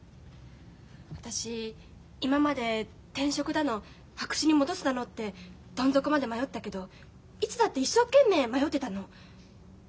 私今まで転職だの白紙に戻すだのってどん底まで迷ったけどいつだって一生懸命迷ってたの。